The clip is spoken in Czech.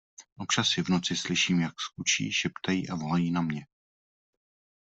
Občas je v noci slyším, jak skučí, šeptají a volají na mě.